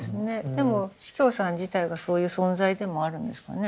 でも司教さん自体がそういう存在でもあるんですかね。